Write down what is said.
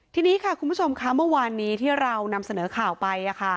ทีนี้ค่ะคุณผู้ชมค่ะเมื่อวานนี้ที่เรานำเสนอข่าวไป